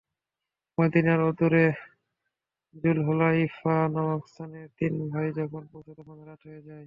মদীনার অদূরে জুলহুলায়ফা নামক স্থানে তিন ভাই যখন পৌঁছে তখন রাত হয়ে যায়।